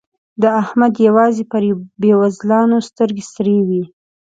د احمد يوازې پر بېوزلانو سترګې سرې وي.